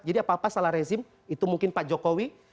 jadi apa apa salah rezim itu mungkin pak jokowi